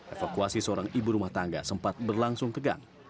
evakuasi seorang ibu rumah tangga sempat berlangsung tegang